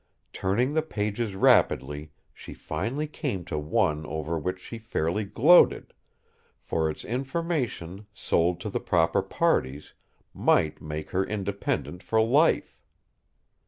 Turning the pages rapidly, she finally came to one over which she fairly gloated, for its information, sold to the proper parties, might make her independent for life.